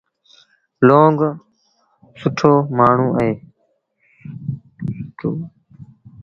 لونگ سُٽو مآڻهوٚݩ اهي۔